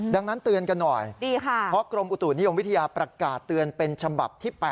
ดังนั้นเตือนกันหน่อยดีค่ะเพราะกรมอุตุนิยมวิทยาประกาศเตือนเป็นฉบับที่๘